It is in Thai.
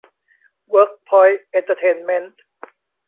เวิร์คพอยท์ เอ็นเทอร์เทนเมนท์